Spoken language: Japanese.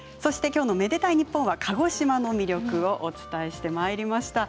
きょうの「愛でたいｎｉｐｐｏｎ」は鹿児島の魅力をお伝えしてまいりました。